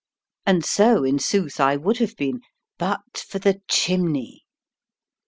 And so in sooth I would have been but for the chimney.